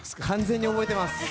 完全に覚えています！